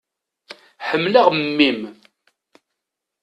Ḥemmleɣ mmi-m.